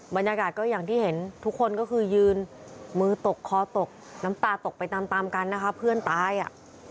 บรรยากาศก็อย่างที่เห็นทุกคนก็คือยืนมือตกคอตกน้ำตาตกไปตามตามกันนะคะเพื่อนตายอ่ะ